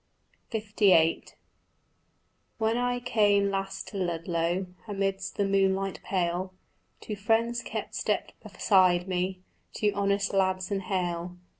LVIII When I came last to Ludlow Amidst the moonlight pale, Two friends kept step beside me, Two honest lads and hale.